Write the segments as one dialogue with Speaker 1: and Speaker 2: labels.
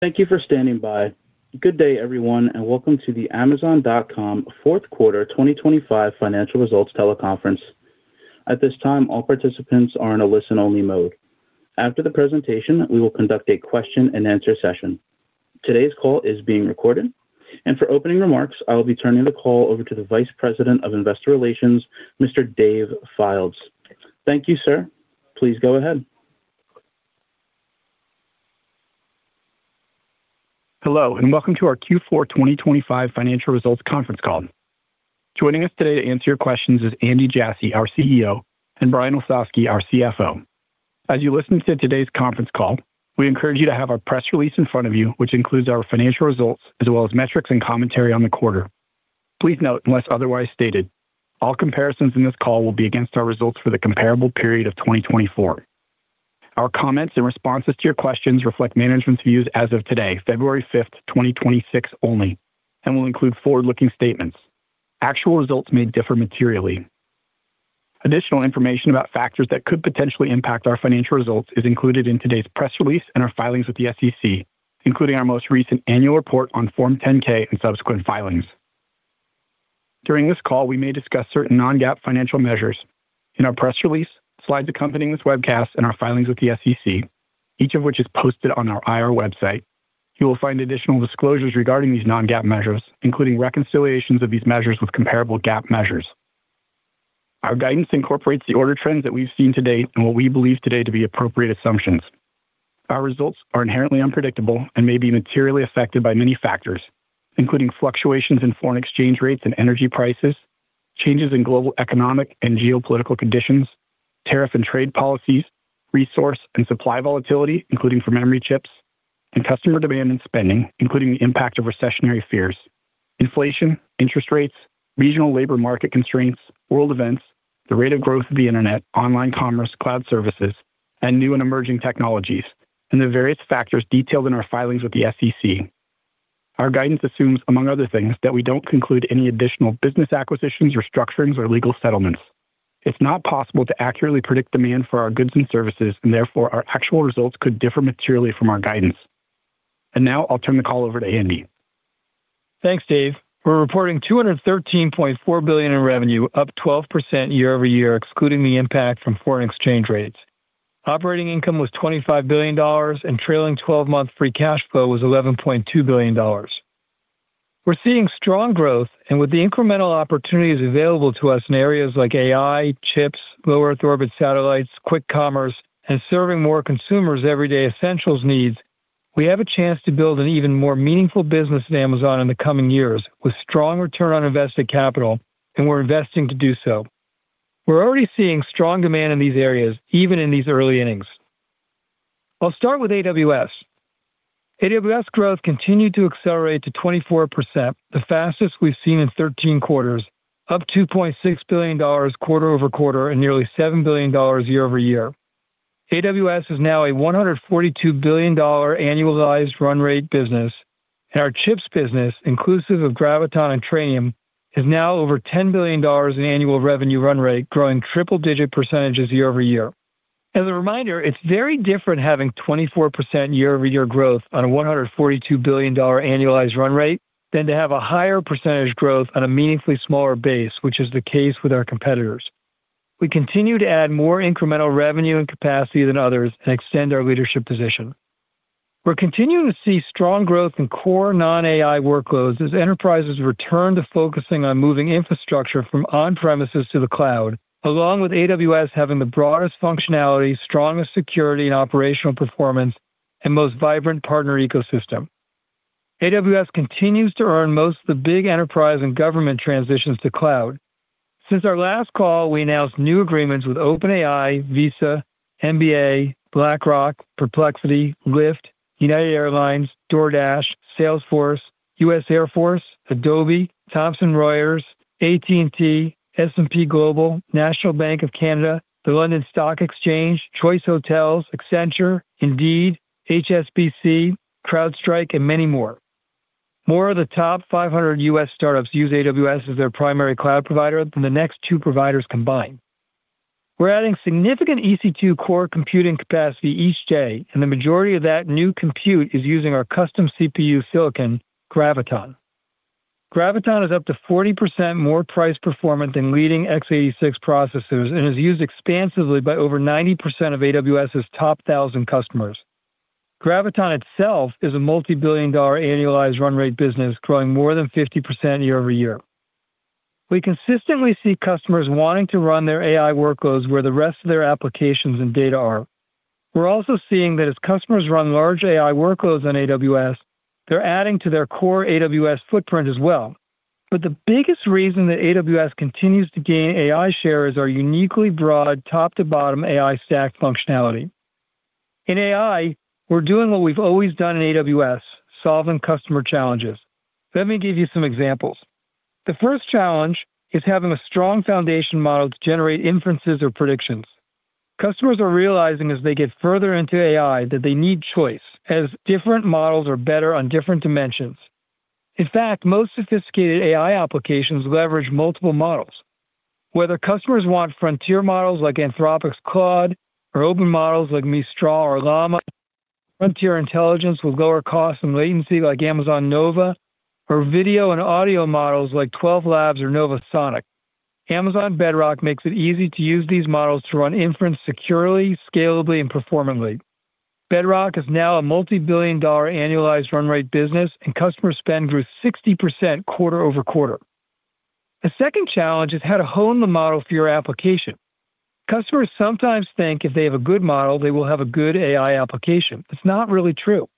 Speaker 1: Thank you for standing by. Good day, everyone, and welcome to the Amazon.com Fourth Quarter 2025 Financial Results Teleconference. At this time, all participants are in a listen-only mode. After the presentation, we will conduct a question-and-answer session. Today's call is being recorded, and for opening remarks, I will be turning the call over to the Vice President of Investor Relations, Mr. Dave Fildes. Thank you, sir. Please go ahead.
Speaker 2: Hello, and welcome to our Q4 2025 financial results conference call. Joining us today to answer your questions is Andy Jassy, our CEO, and Brian Olsavsky, our CFO. As you listen to today's conference call, we encourage you to have our press release in front of you, which includes our financial results, as well as metrics and commentary on the quarter. Please note, unless otherwise stated, all comparisons in this call will be against our results for the comparable period of 2024. Our comments and responses to your questions reflect management's views as of today, February fifth, 2026 only, and will include forward-looking statements. Actual results may differ materially. Additional information about factors that could potentially impact our financial results is included in today's press release and our filings with the SEC, including our most recent annual report on Form 10-K and subsequent filings. During this call, we may discuss certain non-GAAP financial measures. In our press release, slides accompanying this webcast, and our filings with the SEC, each of which is posted on our IR website, you will find additional disclosures regarding these non-GAAP measures, including reconciliations of these measures with comparable GAAP measures. Our guidance incorporates the order trends that we've seen to date and what we believe today to be appropriate assumptions. Our results are inherently unpredictable and may be materially affected by many factors, including fluctuations in foreign exchange rates and energy prices, changes in global economic and geopolitical conditions, tariff and trade policies, resource and supply volatility, including for memory chips, and customer demand and spending, including the impact of recessionary fears, inflation, interest rates, regional labor market constraints, world events, the rate of growth of the internet, online commerce, cloud services, and new and emerging technologies, and the various factors detailed in our filings with the SEC. Our guidance assumes, among other things, that we don't conclude any additional business acquisitions, restructurings, or legal settlements. It's not possible to accurately predict demand for our goods and services, and therefore, our actual results could differ materially from our guidance. Now I'll turn the call over to Andy.
Speaker 3: Thanks, Dave. We're reporting $213.4 billion in revenue, up 12% year-over-year, excluding the impact from foreign exchange rates. Operating income was $25 billion, and trailing twelve-month free cash flow was $11.2 billion. We're seeing strong growth, and with the incremental opportunities available to us in areas like AI, chips, low Earth orbit satellites, quick commerce, and serving more consumers' everyday essentials needs, we have a chance to build an even more meaningful business at Amazon in the coming years, with strong return on invested capital, and we're investing to do so. We're already seeing strong demand in these areas, even in these early innings. I'll start with AWS. AWS growth continued to accelerate to 24%, the fastest we've seen in 13 quarters, up $2.6 billion quarter-over-quarter and nearly $7 billion year-over-year. AWS is now a $142 billion annualized run rate business, and our chips business, inclusive of Graviton and Trainium, is now over $10 billion in annual revenue run rate, growing triple-digit percentages year-over-year. As a reminder, it's very different having 24% year-over-year growth on a $142 billion annualized run rate than to have a higher percentage growth on a meaningfully smaller base, which is the case with our competitors. We continue to add more incremental revenue and capacity than others and extend our leadership position. We're continuing to see strong growth in core non-AI workloads as enterprises return to focusing on moving infrastructure from on-premises to the cloud, along with AWS having the broadest functionality, strongest security and operational performance, and most vibrant partner ecosystem. AWS continues to earn most of the big enterprise and government transitions to cloud. Since our last call, we announced new agreements with OpenAI, Visa, NBA, BlackRock, Perplexity, Lyft, United Airlines, DoorDash, Salesforce, U.S. Air Force, Adobe, Thomson Reuters, AT&T, S&P Global, National Bank of Canada, the London Stock Exchange, Choice Hotels, Accenture, Indeed, HSBC, CrowdStrike, and many more. More of the top 500 U.S. startups use AWS as their primary cloud provider than the next two providers combined. We're adding significant EC2 core computing capacity each day, and the majority of that new compute is using our custom CPU silicon, Graviton. Graviton is up to 40% more price-performant than leading x86 processors and is used expansively by over 90% of AWS's top 1,000 customers. Graviton itself is a multi-billion-dollar annualized run rate business, growing more than 50% year-over-year. We consistently see customers wanting to run their AI workloads where the rest of their applications and data are. We're also seeing that as customers run large AI workloads on AWS, they're adding to their core AWS footprint as well. But the biggest reason that AWS continues to gain AI share is our uniquely broad top-to-bottom AI stack functionality. In AI, we're doing what we've always done in AWS, solving customer challenges. Let me give you some examples. The first challenge is having a strong foundation model to generate inferences or predictions. Customers are realizing, as they get further into AI, that they need choice, as different models are better on different dimensions. In fact, most sophisticated AI applications leverage multiple models... Whether customers want frontier models like Anthropic's Claude or open models like Mistral or Llama, frontier intelligence with lower cost and latency like Amazon Nova, or video and audio models like Twelve Labs or Nova Sonic. Amazon Bedrock makes it easy to use these models to run inference securely, scalably, and performantly. Bedrock is now a $ multi-billion-dollar annualized run rate business, and customer spend grew 60% quarter-over-quarter. The second challenge is how to hone the model for your application. Customers sometimes think if they have a good model, they will have a good AI application. That's not really true.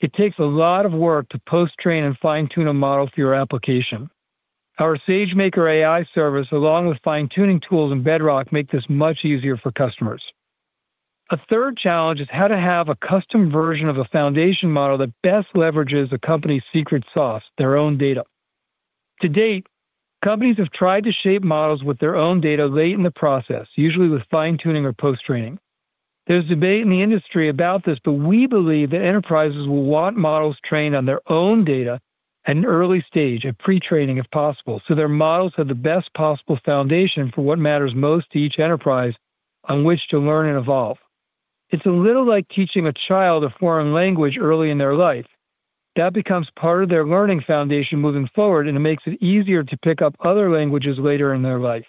Speaker 3: It takes a lot of work to post-train and fine-tune a model for your application. Our SageMaker AI service, along with fine-tuning tools in Bedrock, make this much easier for customers. A third challenge is how to have a custom version of a foundation model that best leverages a company's secret sauce, their own data. To date, companies have tried to shape models with their own data late in the process, usually with fine-tuning or post-training. There's debate in the industry about this, but we believe that enterprises will want models trained on their own data at an early stage, at pre-training, if possible, so their models have the best possible foundation for what matters most to each enterprise on which to learn and evolve. It's a little like teaching a child a foreign language early in their life. That becomes part of their learning foundation moving forward, and it makes it easier to pick up other languages later in their life.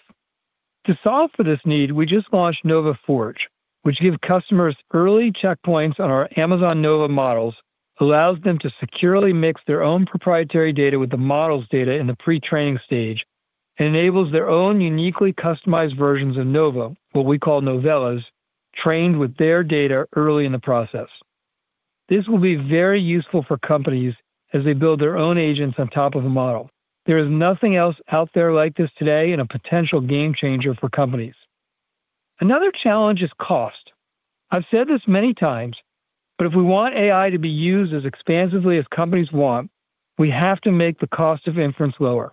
Speaker 3: To solve for this need, we just launched Nova Forge, which gives customers early checkpoints on our Amazon Nova models, allows them to securely mix their own proprietary data with the model's data in the pre-training stage, and enables their own uniquely customized versions of Nova, what we call Novellas, trained with their data early in the process. This will be very useful for companies as they build their own agents on top of a model. There is nothing else out there like this today and a potential game changer for companies. Another challenge is cost. I've said this many times, but if we want AI to be used as expansively as companies want, we have to make the cost of inference lower.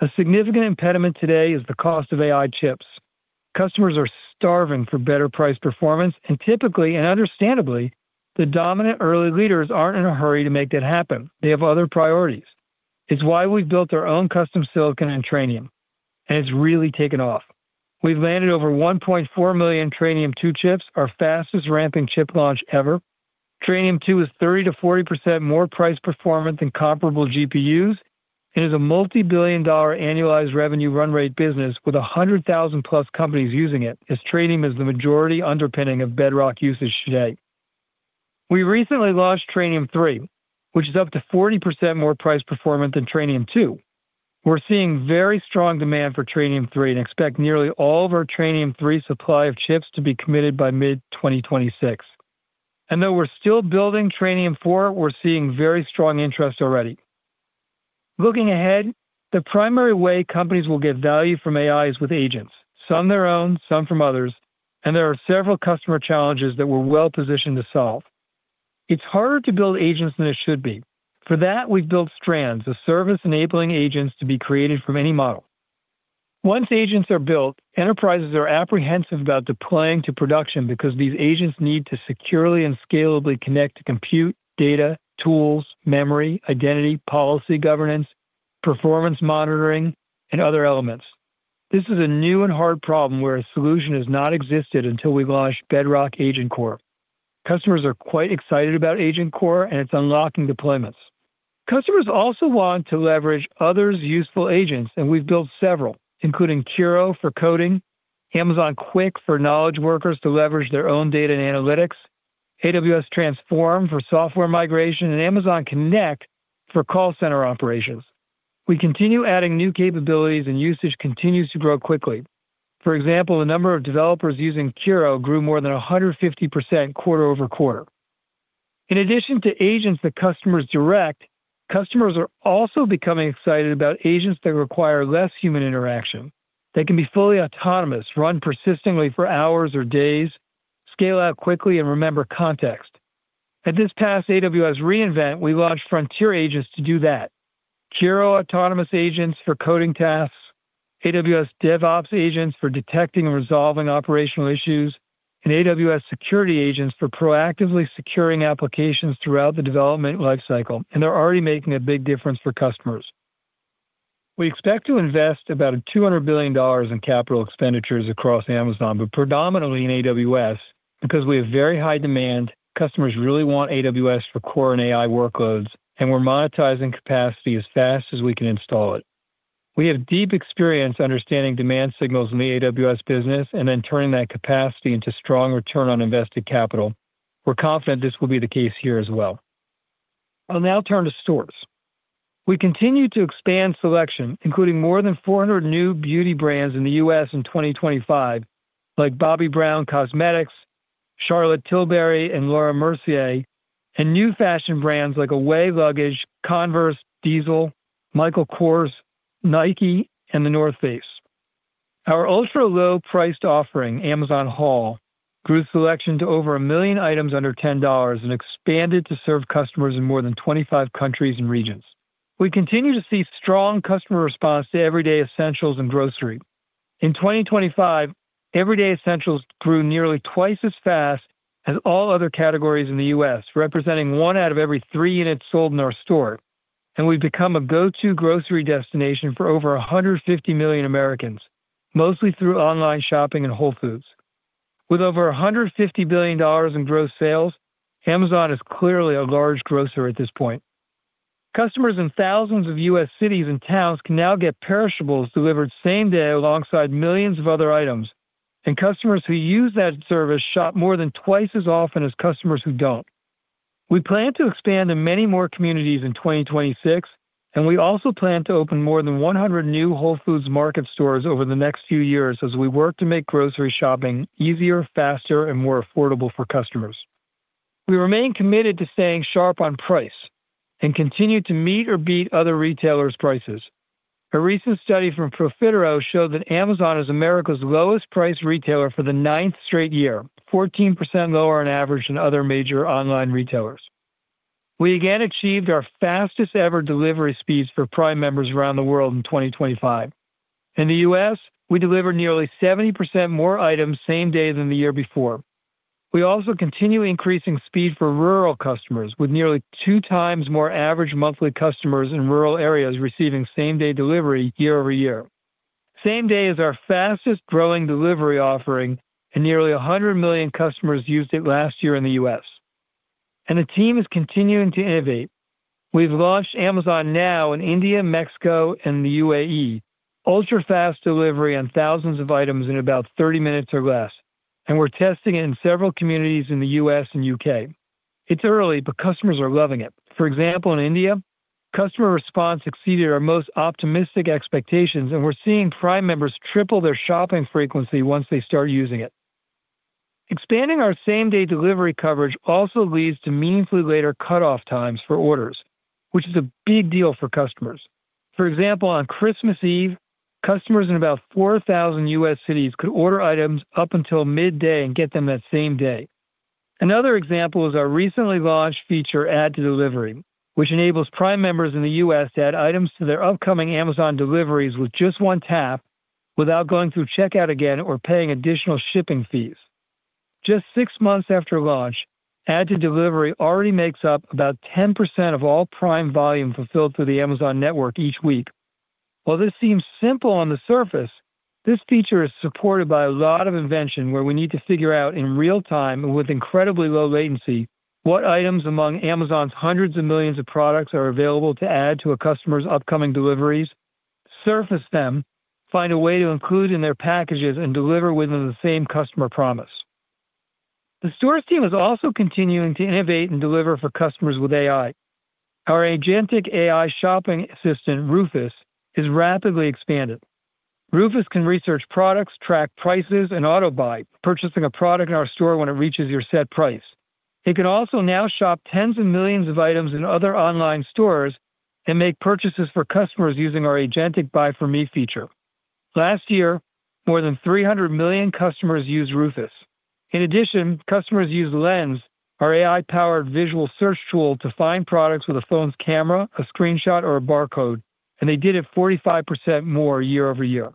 Speaker 3: A significant impediment today is the cost of AI chips. Customers are starving for better price performance, and typically, and understandably, the dominant early leaders aren't in a hurry to make that happen. They have other priorities. It's why we've built our own custom silicon and Trainium, and it's really taken off. We've landed over 1.4 million Trainium2 chips, our fastest ramping chip launch ever. Trainium2 is 30%-40% more price performant than comparable GPUs and is a multi-billion dollar annualized revenue run rate business with 100,000+ companies using it, as Trainium is the majority underpinning of Bedrock usage today. We recently launched Trainium3, which is up to 40% more price performant than Trainium2. We're seeing very strong demand for Trainium3 and expect nearly all of our Trainium3 supply of chips to be committed by mid 2026. And though we're still building Trainium4, we're seeing very strong interest already. Looking ahead, the primary way companies will get value from AI is with agents, some their own, some from others, and there are several customer challenges that we're well-positioned to solve. It's harder to build agents than it should be. For that, we've built Strands, a service enabling agents to be created from any model. Once agents are built, enterprises are apprehensive about deploying to production because these agents need to securely and scalably connect to compute, data, tools, memory, identity, policy governance, performance monitoring, and other elements. This is a new and hard problem where a solution has not existed until we launched Bedrock Agent Core. Customers are quite excited about Agent Core, and it's unlocking deployments. Customers also want to leverage others' useful agents, and we've built several, including Kiro for coding, Amazon Q for knowledge workers to leverage their own data and analytics, AWS Transform for software migration, and Amazon Connect for call center operations. We continue adding new capabilities, and usage continues to grow quickly. For example, the number of developers using Kiro grew more than 150% quarter-over-quarter. In addition to agents that customers direct, customers are also becoming excited about agents that require less human interaction. They can be fully autonomous, run persistently for hours or days, scale out quickly, and remember context. At this past AWS re:Invent, we launched Frontier Agents to do that. Kiro Autonomous Agents for coding tasks, AWS DevOps Agents for detecting and resolving operational issues, and AWS Security Agents for proactively securing applications throughout the development lifecycle, and they're already making a big difference for customers. We expect to invest about $200 billion in capital expenditures across Amazon, but predominantly in AWS, because we have very high demand. Customers really want AWS for core and AI workloads, and we're monetizing capacity as fast as we can install it. We have deep experience understanding demand signals in the AWS business and then turning that capacity into strong return on invested capital. We're confident this will be the case here as well. I'll now turn to Stores. We continue to expand selection, including more than 400 new beauty brands in the U.S. in 2025, like Bobbi Brown Cosmetics, Charlotte Tilbury, and Laura Mercier, and new fashion brands like Away, Converse, Diesel, Michael Kors, Nike, and The North Face. Our ultra-low-priced offering, Amazon Haul, grew selection to over 1 million items under $10 and expanded to serve customers in more than 25 countries and regions. We continue to see strong customer response to everyday essentials and Grocery. In 2025, everyday essentials grew nearly twice as fast as all other categories in the U.S., representing one out of every three units sold in our store. We've become a go-to grocery destination for over 150 million Americans, mostly through online shopping and Whole Foods. With over $150 billion in gross sales, Amazon is clearly a large grocer at this point. Customers in thousands of U.S. cities and towns can now get perishables delivered same-day alongside millions of other items, and customers who use that service shop more than twice as often as customers who don't. We plan to expand to many more communities in 2026, and we also plan to open more than 100 new Whole Foods Market Stores over the next few years as we work to make grocery shopping easier, faster, and more affordable for customers. We remain committed to staying sharp on price and continue to meet or beat other retailers' prices. A recent study from Profitero showed that Amazon is America's lowest-priced retailer for the 9th straight year, 14% lower on average than other major online retailers. We again achieved our fastest-ever delivery speeds for Prime members around the world in 2025. In the U.S., we delivered nearly 70% more items same-day than the year before. We also continue increasing speed for rural customers, with nearly 2 times more average monthly customers in rural areas receiving same-day delivery year-over-year. Same-day is our fastest-growing delivery offering, and nearly 100 million customers used it last year in the U.S. The team is continuing to innovate. We've launched Amazon Now in India, Mexico, and the UAE. Ultra-fast delivery on thousands of items in about 30 minutes or less, and we're testing it in several communities in the U.S. and U.K. It's early, but customers are loving it. For example, in India, customer response exceeded our most optimistic expectations, and we're seeing Prime members triple their shopping frequency once they start using it. Expanding our same-day delivery coverage also leads to meaningfully later cutoff times for orders, which is a big deal for customers. For example, on Christmas Eve, customers in about 4,000 U.S. cities could order items up until midday and get them that same day. Another example is our recently launched feature, Add to Delivery, which enables Prime members in the U.S. to add items to their upcoming Amazon deliveries with just one tap without going through checkout again or paying additional shipping fees. Just six months after launch, Add to Delivery already makes up about 10% of all Prime volume fulfilled through the Amazon network each week. While this seems simple on the surface, this feature is supported by a lot of invention, where we need to figure out in real time and with incredibly low latency, what items among Amazon's hundreds of millions of products are available to add to a customer's upcoming deliveries, surface them, find a way to include in their packages, and deliver within the same customer promise. The Stores team is also continuing to innovate and deliver for customers with AI. Our agentic AI shopping assistant, Rufus, is rapidly expanding. Rufus can research products, track prices, and auto-buy, purchasing a product in our store when it reaches your set price. It can also now shop tens of millions of items in other online Stores and make purchases for customers using our agentic Buy for Me feature. Last year, more than 300 million customers used Rufus. In addition, customers used Lens, our AI-powered visual search tool, to find products with a phone's camera, a screenshot, or a barcode, and they did it 45% more year-over-year.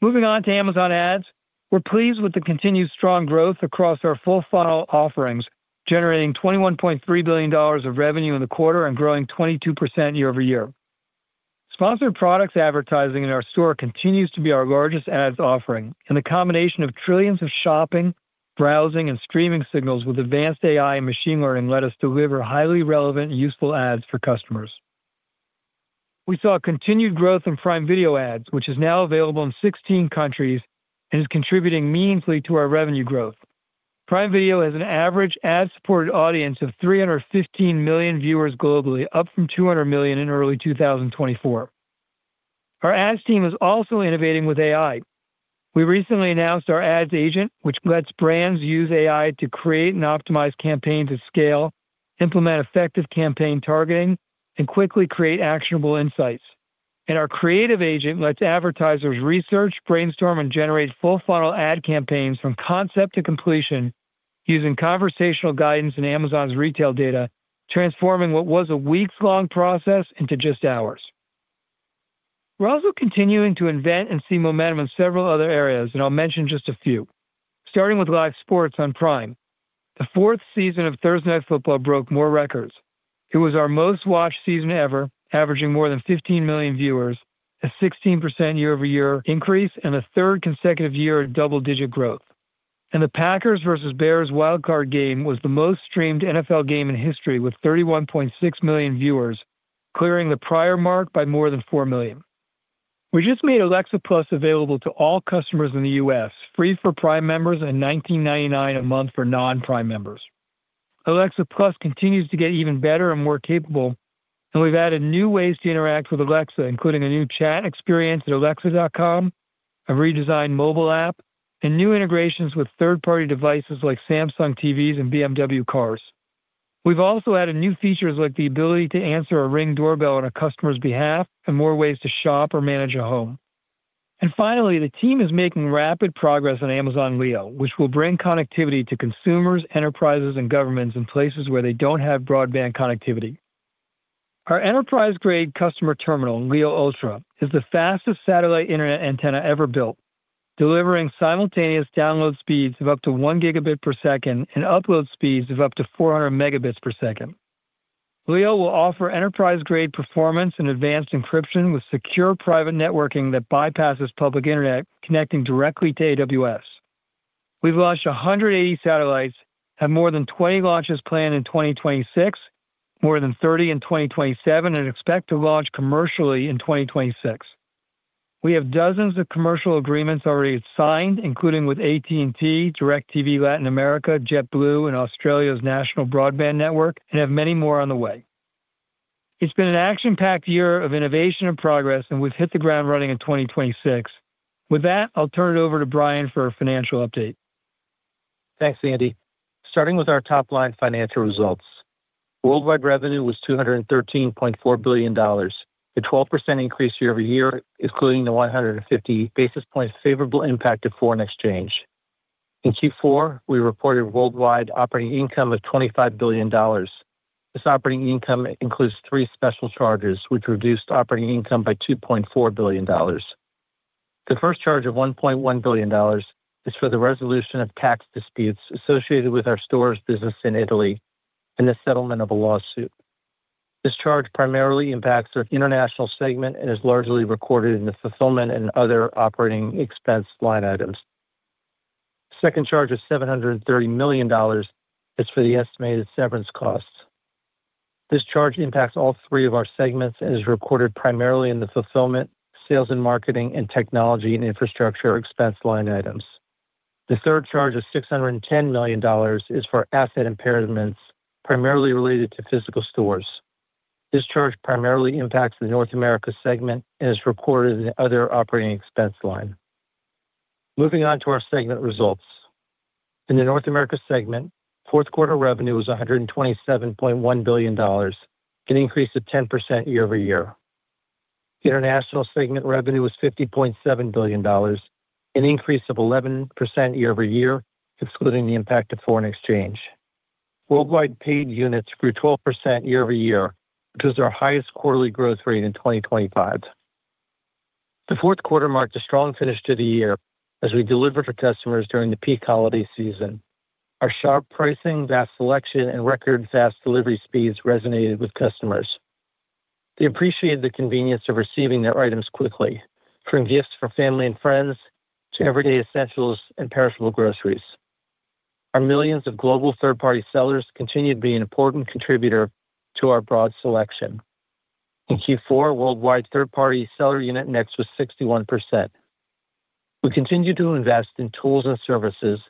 Speaker 3: Moving on to Amazon Ads, we're pleased with the continued strong growth across our full funnel offerings, generating $21.3 billion of revenue in the quarter and growing 22% year-over-year. Sponsored Products advertising in our store continues to be our largest ads offering, and a combination of trillions of shopping, browsing, and streaming signals with advanced AI and machine learning let us deliver highly relevant and useful ads for customers. We saw continued growth in Prime Video ads, which is now available in 16 countries and is contributing meaningfully to our revenue growth. Prime Video has an average ad-supported audience of 315 million viewers globally, up from 200 million in early 2024. Our ads team is also innovating with AI. We recently announced our ads agent, which lets brands use AI to create and optimize campaigns at scale, implement effective campaign targeting, and quickly create actionable insights. Our creative agent lets advertisers research, brainstorm, and generate full-funnel ad campaigns from concept to completion using conversational guidance and Amazon's retail data, transforming what was a weeks-long process into just hours. We're also continuing to invent and see momentum in several other areas, and I'll mention just a few. Starting with live sports on Prime, the fourth season of Thursday Night Football broke more records. It was our most-watched season ever, averaging more than 15 million viewers, a 16% year-over-year increase, and a third consecutive year of double-digit growth. The Packers versus Bears wild card game was the most-streamed NFL game in history, with 31.6 million viewers, clearing the prior mark by more than 4 million. We just made Alexa+ available to all customers in the U.S., free for Prime members and $19.99 a month for non-Prime members. Alexa+ continues to get even better and more capable, and we've added new ways to interact with Alexa, including a new chat experience at alexa.com, a redesigned mobile app, and new integrations with third-party devices like Samsung TVs and BMW cars. We've also added new features like the ability to answer a Ring doorbell on a customer's behalf and more ways to shop or manage a home. Finally, the team is making rapid progress on Amazon Leo, which will bring connectivity to consumers, enterprises, and governments in places where they don't have broadband connectivity. Our enterprise-grade customer terminal, Leo Ultra, is the fastest satellite internet antenna ever built, delivering simultaneous download speeds of up to 1 Gbps and upload speeds of up to 400 Mbps. Leo will offer enterprise-grade performance and advanced encryption with secure private networking that bypasses public internet, connecting directly to AWS. We've launched 180 satellites, have more than 20 launches planned in 2026, more than 30 in 2027, and expect to launch commercially in 2026. We have dozens of commercial agreements already signed, including with AT&T, DIRECTV Latin America, JetBlue, and Australia's National Broadband Network, and have many more on the way. It's been an action-packed year of innovation and progress, and we've hit the ground running in 2026. With that, I'll turn it over to Brian for a financial update.
Speaker 4: Thanks, Andy. Starting with our top-line financial results. Worldwide revenue was $213.4 billion, a 12% increase year-over-year, excluding the 150 basis points favorable impact of foreign exchange. In Q4, we reported worldwide operating income of $25 billion. This operating income includes three special charges, which reduced operating income by $2.4 billion. The first charge of $1.1 billion is for the resolution of tax disputes associated with our Stores business in Italy and the settlement of a lawsuit. This charge primarily impacts our international segment and is largely recorded in the Fulfillment and other operating expense line items. Second charge of $730 million is for the estimated severance costs. This charge impacts all three of our segments and is recorded primarily in the Fulfillment, Sales and Marketing, and Technology and Infrastructure expense line items. The third charge of $610 million is for asset impairments, primarily related to physical Stores. This charge primarily impacts the North America segment and is recorded in the other operating expense line. Moving on to our segment results. In the North America segment, fourth quarter revenue was $127.1 billion, an increase of 10% year-over-year. The international segment revenue was $50.7 billion, an increase of 11% year-over-year, excluding the impact of foreign exchange. Worldwide paid units grew 12% year-over-year, which is our highest quarterly growth rate in 2025. The fourth quarter marked a strong finish to the year as we delivered for customers during the peak holiday season. Our sharp pricing, vast selection, and record-fast delivery speeds resonated with customers. They appreciated the convenience of receiving their items quickly, from gifts for family and friends to everyday essentials and perishable groceries. Our millions of global third-party sellers continue to be an important contributor to our broad selection. In Q4, worldwide third-party seller unit mix was 61%. We continue to invest in tools and services,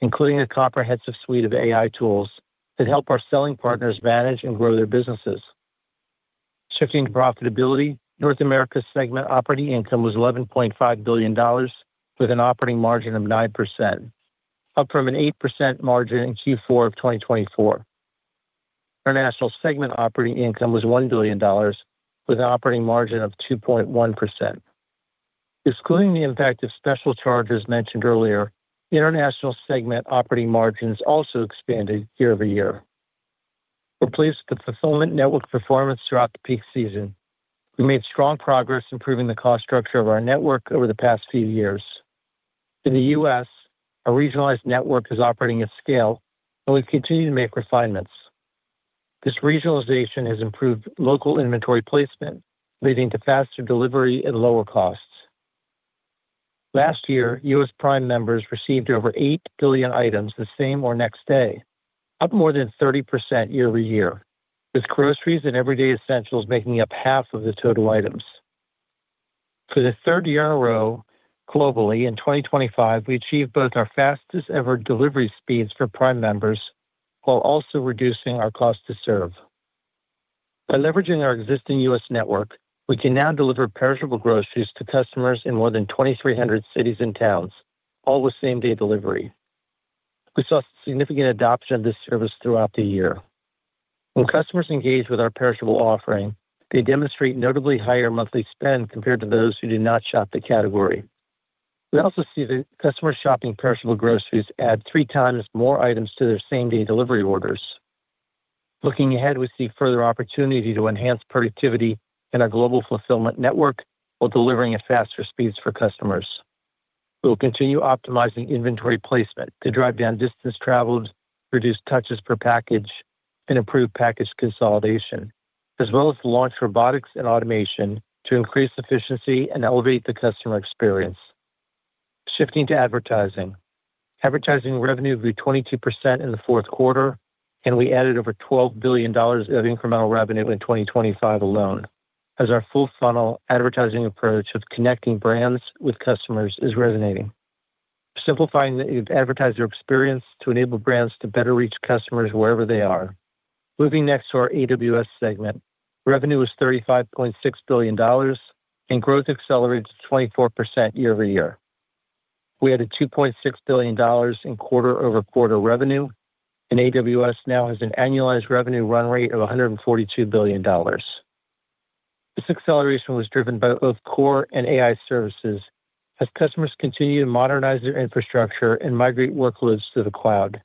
Speaker 4: including a comprehensive suite of AI tools, that help our selling partners manage and grow their businesses. Shifting to profitability, North America segment operating income was $11.5 billion, with an operating margin of 9%, up from an 8% margin in Q4 of 2024. International segment operating income was $1 billion, with an operating margin of 2.1%. Excluding the impact of special charges mentioned earlier, the international segment operating margins also expanded year-over-year. We're pleased with the fulfillment network performance throughout the peak season. We made strong progress improving the cost structure of our network over the past few years. In the U.S., our regionalized network is operating at scale, and we've continued to make refinements. This regionalization has improved local inventory placement, leading to faster delivery and lower costs. Last year, U.S. Prime members received over 8 billion items the same or next day, up more than 30% year-over-year, with groceries and everyday essentials making up half of the total items. For the third year in a row, globally, in 2025, we achieved both our fastest-ever delivery speeds for Prime members while also reducing our cost to serve. By leveraging our existing U.S. network, we can now deliver perishable groceries to customers in more than 2,300 cities and towns, all with same-day delivery. We saw significant adoption of this service throughout the year. When customers engage with our perishable offering, they demonstrate notably higher monthly spend compared to those who do not shop the category. We also see that customers shopping perishable groceries add three times more items to their same-day delivery orders. Looking ahead, we see further opportunity to enhance productivity in our global fulfillment network while delivering at faster speeds for customers. We will continue optimizing inventory placement to drive down distance traveled, reduce touches per package, and improve package consolidation, as well as launch robotics and automation to increase efficiency and elevate the customer experience. Shifting to advertising. Advertising revenue grew 22% in the fourth quarter, and we added over $12 billion of incremental revenue in 2025 alone, as our full-funnel advertising approach of connecting brands with customers is resonating. Simplifying the advertiser experience to enable brands to better reach customers wherever they are. Moving next to our AWS segment. Revenue was $35.6 billion, and growth accelerated to 24% year-over-year. We added $2.6 billion in quarter-over-quarter revenue, and AWS now has an annualized revenue run rate of $142 billion. This acceleration was driven by both core and AI services, as customers continue to modernize their infrastructure and migrate workloads to the cloud.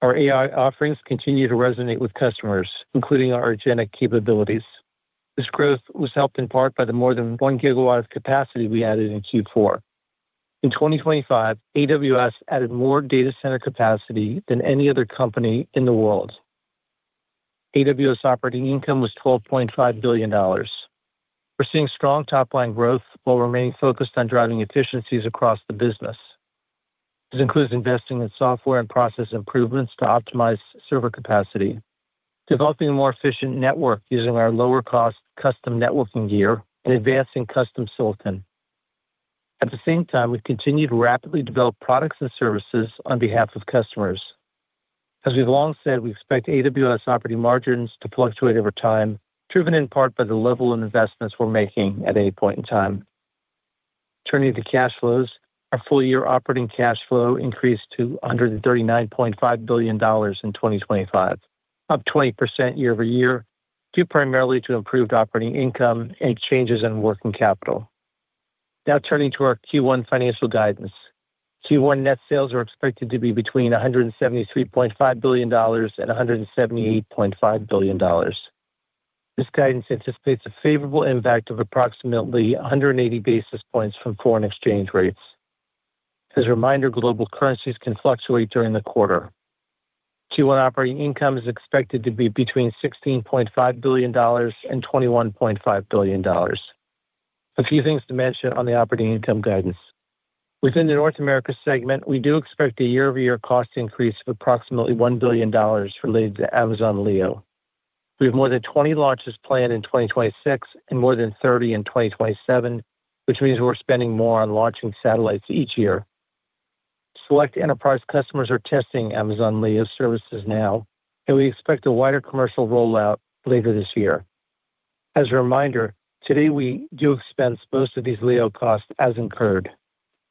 Speaker 4: Our AI offerings continue to resonate with customers, including our agentic capabilities.... This growth was helped in part by the more than 1 GW of capacity we added in Q4. In 2025, AWS added more data center capacity than any other company in the world. AWS operating income was $12.5 billion. We're seeing strong top-line growth while remaining focused on driving efficiencies across the business. This includes investing in software and process improvements to optimize server capacity, developing a more efficient network using our lower cost custom networking gear, and advancing custom silicon. At the same time, we've continued to rapidly develop products and services on behalf of customers. As we've long said, we expect AWS operating margins to fluctuate over time, driven in part by the level of investments we're making at any point in time. Turning to cash flows. Our full year operating cash flow increased to under $39.5 billion in 2025, up 20% year-over-year, due primarily to improved operating income and changes in working capital. Now turning to our Q1 financial guidance. Q1 net sales are expected to be between $173.5 billion and $178.5 billion. This guidance anticipates a favorable impact of approximately 180 basis points from foreign exchange rates. As a reminder, global currencies can fluctuate during the quarter. Q1 operating income is expected to be between $16.5 billion and $21.5 billion. A few things to mention on the operating income guidance. Within the North America segment, we do expect a year-over-year cost increase of approximately $1 billion related to Amazon Leo. We have more than 20 launches planned in 2026 and more than 30 in 2027, which means we're spending more on launching satellites each year. Select enterprise customers are testing Amazon Leo services now, and we expect a wider commercial rollout later this year. As a reminder, today, we do expense most of these Leo costs as incurred.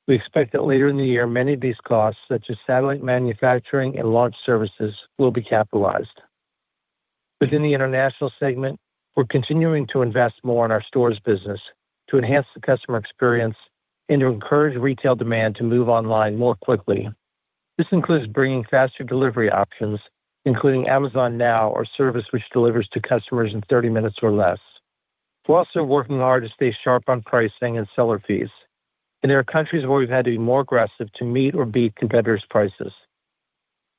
Speaker 4: We expect that later in the year, many of these costs, such as satellite manufacturing and launch services, will be capitalized. Within the international segment, we're continuing to invest more in our Stores business to enhance the customer experience and to encourage retail demand to move online more quickly. This includes bringing faster delivery options, including Amazon Now, our service, which delivers to customers in 30 minutes or less. We're also working hard to stay sharp on pricing and seller fees, and there are countries where we've had to be more aggressive to meet or beat competitors' prices.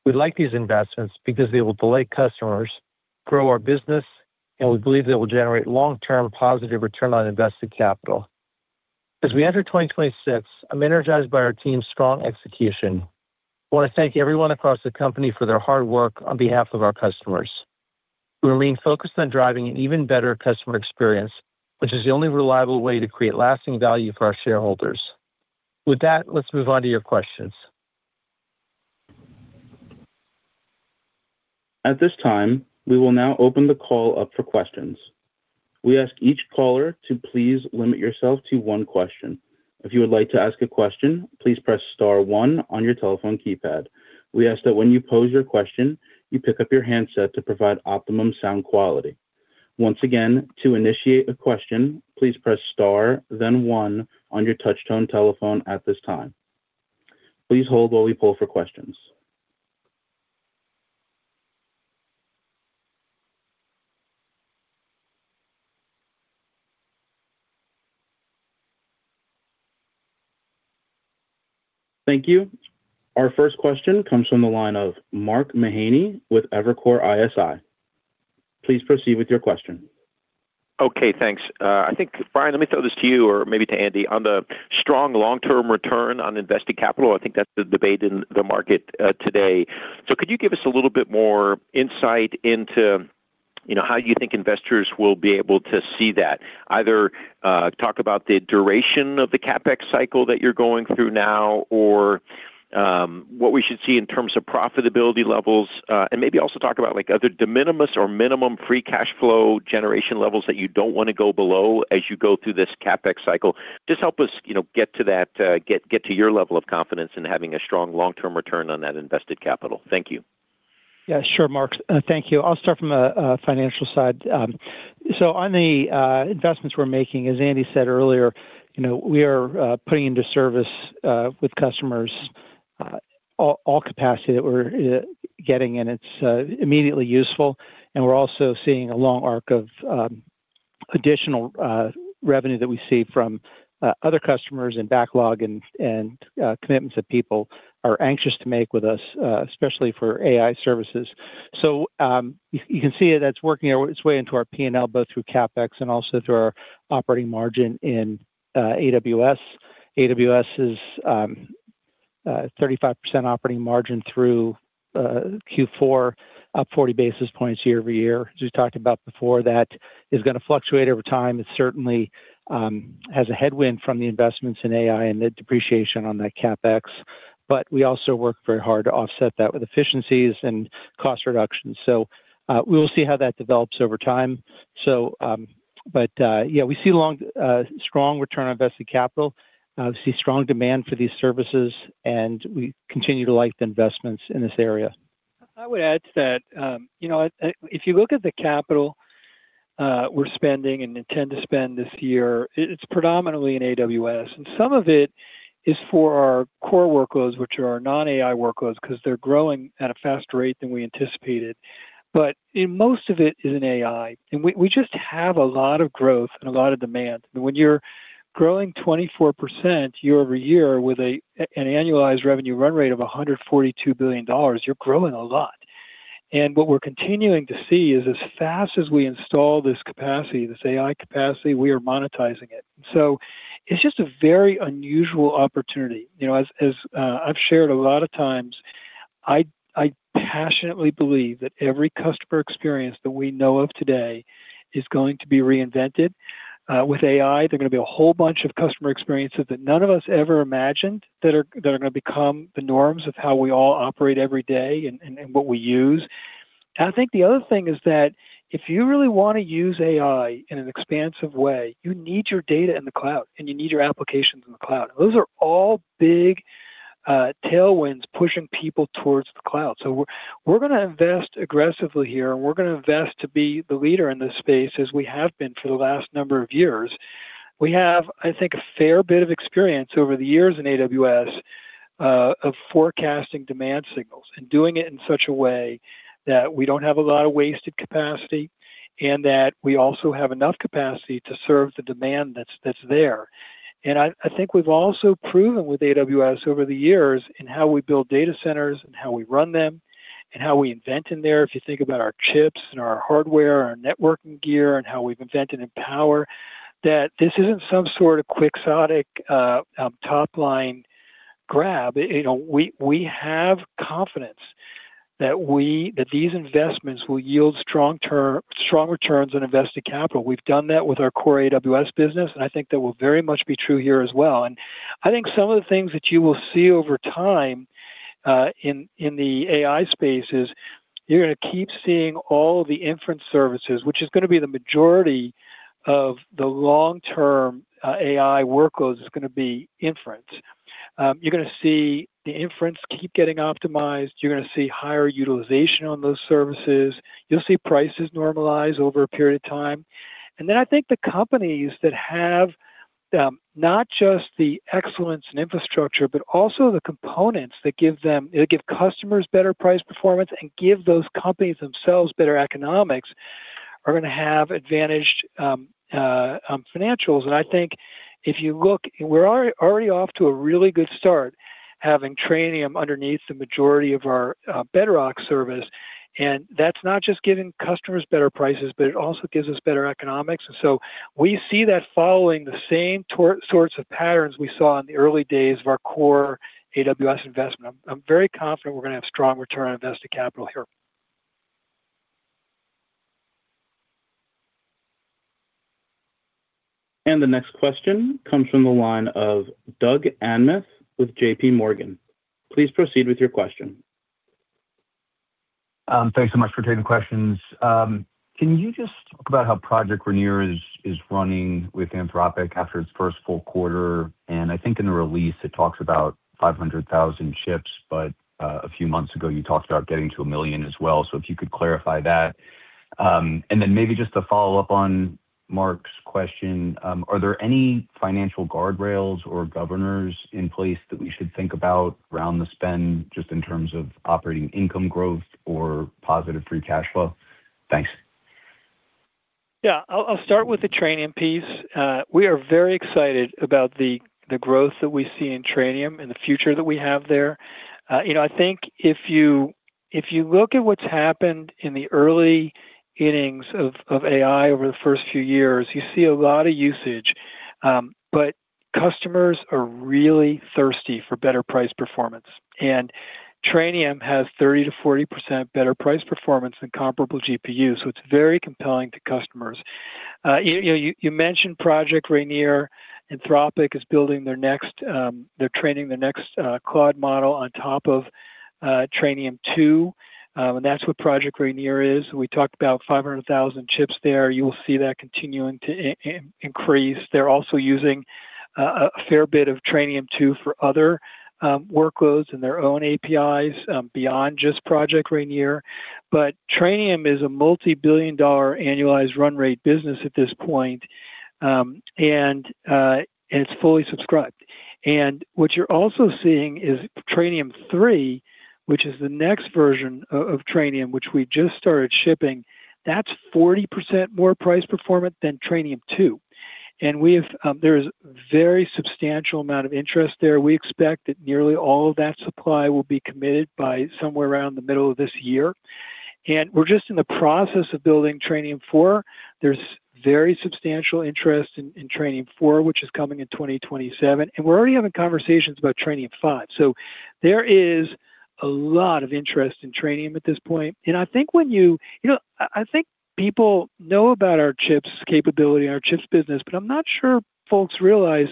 Speaker 4: We like these investments because they will delight customers, grow our business, and we believe they will generate long-term positive return on invested capital. As we enter 2026, I'm energized by our team's strong execution. I want to thank everyone across the company for their hard work on behalf of our customers. We remain focused on driving an even better customer experience, which is the only reliable way to create lasting value for our shareholders. With that, let's move on to your questions.
Speaker 1: At this time, we will now open the call up for questions. We ask each caller to please limit yourself to one question. If you would like to ask a question, please press star one on your telephone keypad. We ask that when you pose your question, you pick up your handset to provide optimum sound quality. Once again, to initiate a question, please press star, then one on your touchtone telephone at this time. Please hold while we poll for questions. Thank you. Our first question comes from the line of Mark Mahaney with Evercore ISI. Please proceed with your question.
Speaker 5: Okay, thanks. I think, Brian, let me throw this to you or maybe to Andy. On the strong long-term return on invested capital, I think that's the debate in the market, today. So could you give us a little bit more insight into, you know, how you think investors will be able to see that? Either, talk about the duration of the CapEx cycle that you're going through now or, what we should see in terms of profitability levels. And maybe also talk about like, are there de minimis or minimum free cash flow generation levels that you don't want to go below as you go through this CapEx cycle? Just help us, you know, get to that, get to your level of confidence in having a strong long-term return on that invested capital. Thank you.
Speaker 4: Yeah, sure, Mark, thank you. I'll start from a financial side. So on the investments we're making, as Andy said earlier, you know, we are putting into service with customers all capacity that we're getting, and it's immediately useful. And we're also seeing a long arc of additional revenue that we see from other customers and backlog and commitments that people are anxious to make with us, especially for AI services. So you can see that's working its way into our P&L, both through CapEx and also through our operating margin in AWS. AWS is 35% operating margin through Q4, up 40 basis points year-over-year. As we talked about before, that is gonna fluctuate over time. It certainly has a headwind from the investments in AI and the depreciation on that CapEx, but we also work very hard to offset that with efficiencies and cost reductions. So, we will see how that develops over time. So, but, yeah, we see long, strong return on invested capital. We see strong demand for these services, and we continue to like the investments in this area.
Speaker 3: I would add to that, you know, if you look at the capital we're spending and intend to spend this year, it's predominantly in AWS, and some of it is for our core workloads, which are non-AI workloads, 'cause they're growing at a faster rate than we anticipated. But most of it is in AI, and we just have a lot of growth and a lot of demand. When you're growing 24% year-over-year with an annualized revenue run rate of $142 billion, you're growing a lot. And what we're continuing to see is as fast as we install this capacity, this AI capacity, we are monetizing it. So it's just a very unusual opportunity. You know, as I've shared a lot of times, I passionately believe that every customer experience that we know of today is going to be reinvented. With AI, there are gonna be a whole bunch of customer experiences that none of us ever imagined, that are gonna become the norms of how we all operate every day and what we use. And I think the other thing is that if you really wanna use AI in an expansive way, you need your data in the cloud, and you need your applications in the cloud. Those are all big tailwinds pushing people towards the cloud. So we're gonna invest aggressively here, and we're gonna invest to be the leader in this space, as we have been for the last number of years. We have, I think, a fair bit of experience over the years in AWS of forecasting demand signals and doing it in such a way that we don't have a lot of wasted capacity and that we also have enough capacity to serve the demand that's there. And I think we've also proven with AWS over the years in how we build data centers and how we run them, and how we invent in there, if you think about our chips and our hardware, our networking gear, and how we've invented in power, that this isn't some sort of quixotic top-line grab. You know, we have confidence that we—that these investments will yield strong returns on invested capital. We've done that with our core AWS business, and I think that will very much be true here as well. I think some of the things that you will see over time, in the AI space, you're gonna keep seeing all of the inference services, which is gonna be the majority of the long-term AI workloads, is gonna be inference. You're gonna see the inference keep getting optimized, you're gonna see higher utilization on those services. You'll see prices normalize over a period of time. And then I think the companies that have not just the excellence in infrastructure, but also the components that give them... that give customers better price performance and give those companies themselves better economics, are gonna have advantaged financials. I think if you look, we're already off to a really good start having Trainium underneath the majority of our Bedrock service, and that's not just giving customers better prices, but it also gives us better economics. So we see that following the same sorts of patterns we saw in the early days of our core AWS investment. I'm very confident we're gonna have strong return on invested capital here.
Speaker 1: The next question comes from the line of Doug Anmuth with JPMorgan. Please proceed with your question.
Speaker 6: Thanks so much for taking the questions. Can you just talk about how Project Rainier is running with Anthropic after its first full quarter? And I think in the release, it talks about 500,000 chips, but a few months ago, you talked about getting to 1 million as well. So if you could clarify that. And then maybe just to follow up on Mark's question, are there any financial guardrails or governors in place that we should think about around the spend, just in terms of operating income growth or positive free cash flow? Thanks.
Speaker 3: Yeah. I'll start with the Trainium piece. We are very excited about the growth that we see in Trainium and the future that we have there. You know, I think if you look at what's happened in the early innings of AI over the first few years, you see a lot of usage, but customers are really thirsty for better price performance. And Trainium has 30%-40% better price performance than comparable GPUs, so it's very compelling to customers. You mentioned Project Rainier. Anthropic is building their next... They're training their next cloud model on top of Trainium2, and that's what Project Rainier is. We talked about 500,000 chips there. You'll see that continuing to increase. They're also using a fair bit of Trainium2 for other workloads and their own APIs beyond just Project Rainier. But Trainium is a multi-billion-dollar annualized run rate business at this point, and it's fully subscribed. And what you're also seeing is Trainium3, which is the next version of Trainium, which we just started shipping, that's 40% more price performant than Trainium2. And there is very substantial amount of interest there. We expect that nearly all of that supply will be committed by somewhere around the middle of this year, and we're just in the process of building Trainium4. There's very substantial interest in Trainium4, which is coming in 2027, and we're already having conversations about Trainium5. So there is a lot of interest in Trainium at this point, and I think when you— You know, I, I think people know about our chips capability and our chips business, but I'm not sure folks realize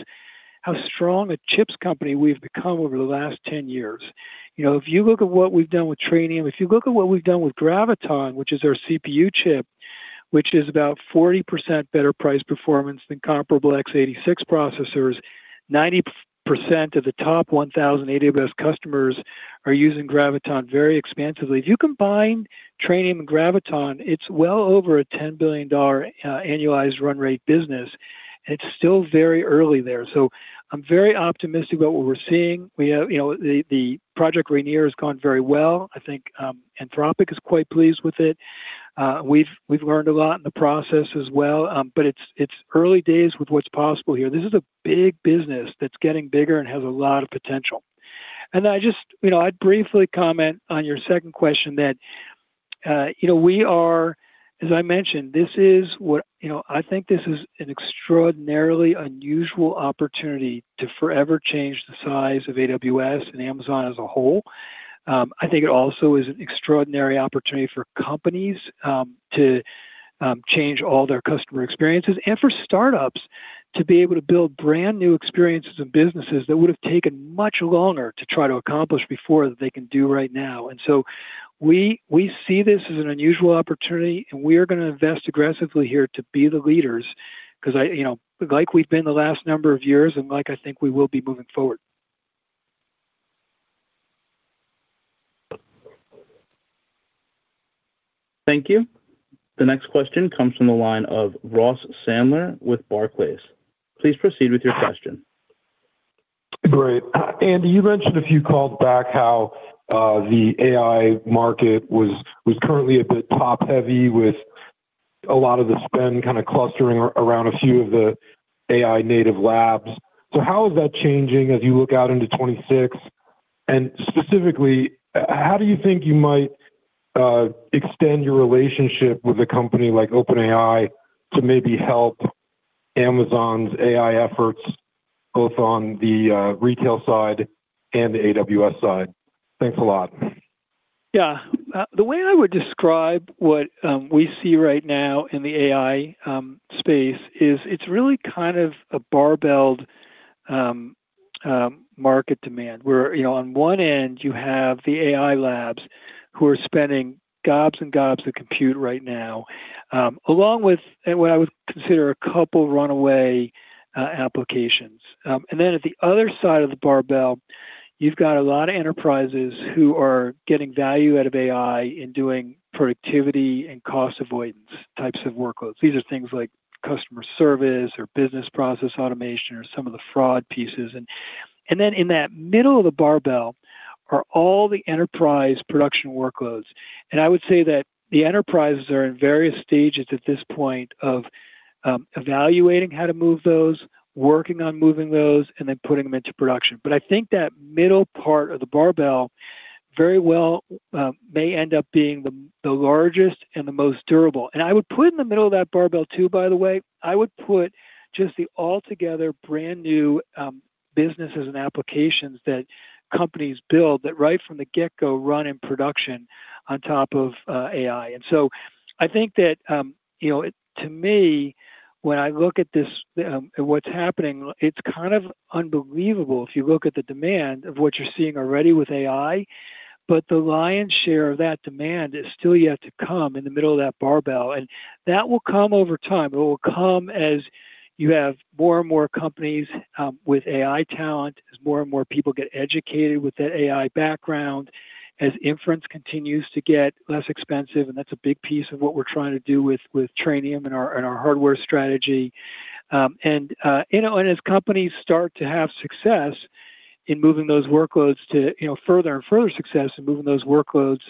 Speaker 3: how strong a chips company we've become over the last 10 years. You know, if you look at what we've done with Trainium, if you look at what we've done with Graviton, which is our CPU chip, which is about 40% better price performance than comparable X86 processors, 90% of the top 1,000 AWS customers are using Graviton very expansively. If you combine Trainium and Graviton, it's well over a $10 billion annualized run rate business. And it's still very early there. So I'm very optimistic about what we're seeing. We have, you know, the, the Project Rainier has gone very well. I think, Anthropic is quite pleased with it. We've learned a lot in the process as well, but it's early days with what's possible here. This is a big business that's getting bigger and has a lot of potential. I just, you know, I'd briefly comment on your second question that, you know, we are, as I mentioned, this is what. You know, I think this is an extraordinarily unusual opportunity to forever change the size of AWS and Amazon as a whole. I think it also is an extraordinary opportunity for companies, to change all their customer experiences, and for startups to be able to build brand-new experiences and businesses that would have taken much longer to try to accomplish before than they can do right now. We see this as an unusual opportunity, and we are gonna invest aggressively here to be the leaders, 'cause I, you know, like we've been the last number of years, and like, I think we will be moving forward.
Speaker 1: Thank you. The next question comes from the line of Ross Sandler with Barclays. Please proceed with your question.
Speaker 7: Great. Andy, you mentioned a few calls back how the AI market was currently a bit top-heavy, with a lot of the spend kind of clustering around a few of the AI native labs. So how is that changing as you look out into 2026? And specifically, how do you think you might extend your relationship with a company like OpenAI to maybe help Amazon's AI efforts, both on the retail side and the AWS side? Thanks a lot.
Speaker 3: Yeah. The way I would describe what we see right now in the AI space is it's really kind of a barbelled market demand, where, you know, on one end, you have the AI labs who are spending gobs and gobs of compute right now, along with what I would consider a couple runaway applications. And then at the other side of the barbell, you've got a lot of enterprises who are getting value out of AI in doing productivity and cost avoidance types of workloads. These are things like customer service or business process automation or some of the fraud pieces. And then in that middle of the barbell are all the enterprise production workloads. I would say that the enterprises are in various stages at this point of evaluating how to move those, working on moving those, and then putting them into production. But I think that middle part of the barbell very well may end up being the largest and the most durable. I would put in the middle of that barbell, too, by the way, I would put just the altogether brand-new businesses and applications that companies build that right from the get-go, run in production on top of AI. So I think that, you know, it to me, when I look at this, at what's happening, it's kind of unbelievable if you look at the demand of what you're seeing already with AI, but the lion's share of that demand is still yet to come in the middle of that barbell, and that will come over time. It will come as you have more and more companies with AI talent, as more and more people get educated with that AI background, as inference continues to get less expensive, and that's a big piece of what we're trying to do with Trainium and our hardware strategy. And you know, as companies start to have success in moving those workloads to, you know, further and further success in moving those workloads